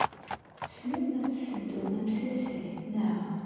Tessnem ad tesseddum amsasay, naɣ?